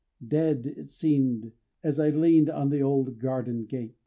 Dead, it seemed, as I leaned on the old garden gate.